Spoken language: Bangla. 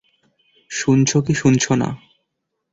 শুনছো কি শুনছো না?